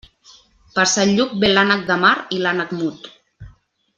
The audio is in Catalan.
Per Sant Lluc ve l'ànec de mar i l'ànec mut.